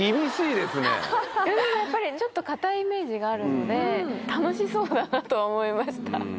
でもやっぱりちょっと堅いイメージがあるので楽しそうだなとは思いました。